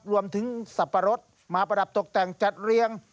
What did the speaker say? สับปะรดมาประดับตกแต่งจัดเรียง